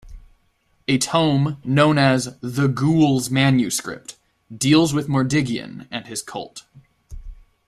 A tome known as "The Ghoul's Manuscript" deals with Mordiggian and his cult.